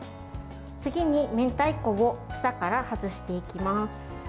次に、明太子を房から外していきます。